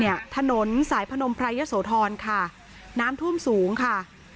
เนี่ยถนนสายพนมไพรยสโทรค่ะน้ำท่วมสูงค่ะ